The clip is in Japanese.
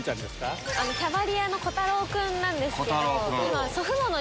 キャバリアの小太郎くんなんですけど今。